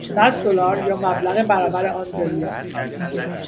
صد دلار یا مبلغ برابر آن به ریال